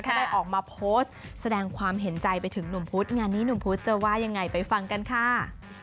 ได้ออกมาโพสต์แสดงความเห็นใจไปถึงหนุ่มพุธงานนี้หนุ่มพุธจะว่ายังไงไปฟังกันค่ะ